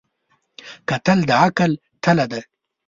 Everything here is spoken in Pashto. کتل د عقل تله ده